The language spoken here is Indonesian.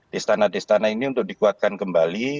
destana destana ini untuk dikuatkan kembali